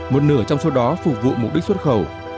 một nửa trong số đó phục vụ mục đích xuất khẩu